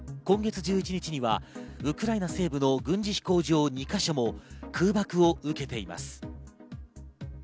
今月１１日にはウクライナ西部の軍事飛行場の２か所も空爆を受けています。